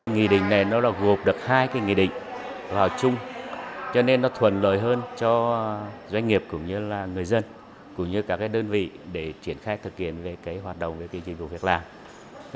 nghị định này nó là gộp được hai cái nghị định vào chung cho nên nó thuần lợi hơn cho doanh nghiệp cũng như là người dân cũng như các đơn vị để triển khai thực hiện về cái hoạt động về cái dịch vụ việc làm